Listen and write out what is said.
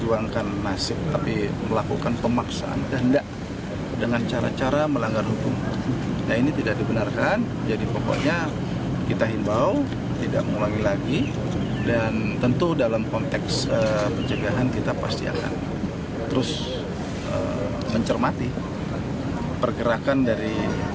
dan kita pasti akan terus mencermati pergerakan dari kelompok kelompok mereka ini